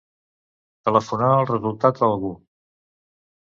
Telefonar els resultats a algú.